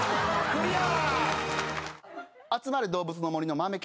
クリア。